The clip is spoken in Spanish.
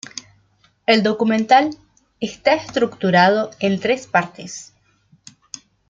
El documental está estructurado en tres partes.